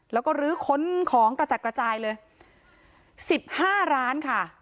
แล้วก็ลื้อค้นของกระจัดกระจายเลย๑๕ร้านค่ะ